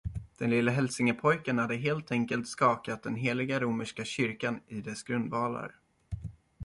Den lille hälsingepojken hade helt enkelt skakat den heliga romerska kyrkan i dess grundvalar.